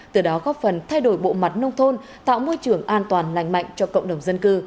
từ đó góp phần thay đổi bộ mặt nông thôn tạo môi trường an toàn lành mạnh cho cộng đồng dân cư